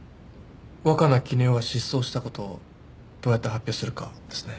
若菜絹代が失踪したことをどうやって発表するかですね。